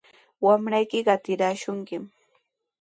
Wamraykiqa qatiraashunkimi.